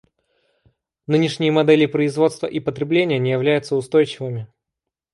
Нынешние модели производства и потребления не являются устойчивыми.